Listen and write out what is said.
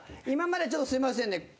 今までちょっとすいませんね。